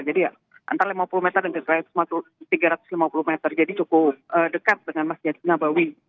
jadi antara lima puluh meter dan tiga ratus lima puluh meter jadi cukup dekat dengan masjid nabawi